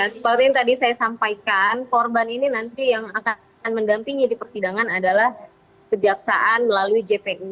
seperti yang tadi saya sampaikan korban ini nanti yang akan mendampingi di persidangan adalah kejaksaan melalui jpu